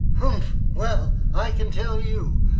"Humph! Well, I can tell you.